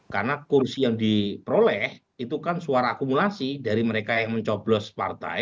karena kursi yang diperoleh itu kan suara akumulasi dari mereka yang mencoblos partai